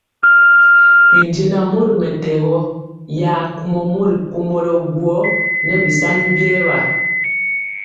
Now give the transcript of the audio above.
Binjɛnaŋ mori mɛtɛgɔ gɔ ya kumɔ mori komblo guó nɛ bisani biewa.